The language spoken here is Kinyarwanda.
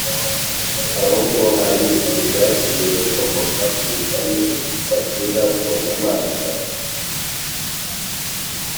ahubwo hari izagiye zikomoka ku migani bacira ku nyamaswa